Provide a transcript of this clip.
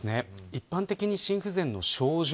一般的に心不全の症状